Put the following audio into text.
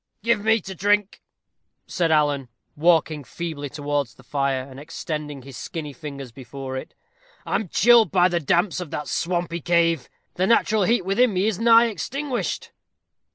"Give me to drink," said Alan, walking feebly towards the fire, and extending his skinny fingers before it. "I am chilled by the damps of that swampy cave the natural heat within me is nigh extinguished."